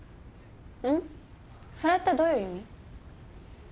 それってどういう意味？